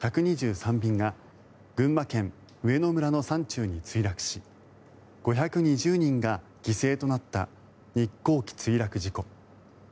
便が群馬県上野村の山中に墜落し５２０人が犠牲となった日航機墜落事故。